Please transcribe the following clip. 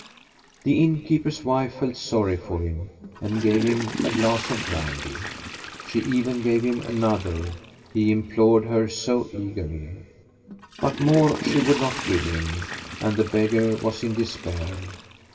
The innkeeper's wife felt sorry for him and gave him a glass of brandy. She even gave him another, he implored her so eagerly. But more she would not give him, and the beggar was in despair.